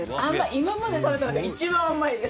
今まで食べた中で一番甘いです。